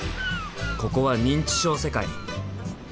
ここは認知症世界！